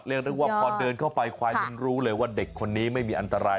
นึกว่าพอเดินเข้าไปควายมันรู้เลยว่าเด็กคนนี้ไม่มีอันตราย